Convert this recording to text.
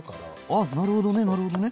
あっなるほどねなるほどね。